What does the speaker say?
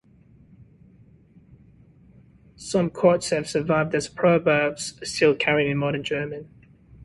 Some quotes have survived as proverbs still current in Modern German.